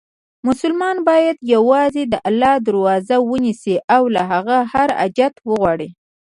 مسلمان باید یووازې د الله دروازه ونیسي، او له هغه هر حاجت وغواړي.